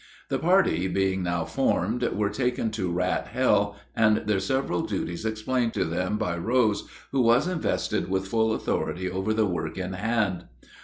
The party, being now formed, were taken to Rat Hell and their several duties explained to them by Rose, who was invested with full authority over the work in hand.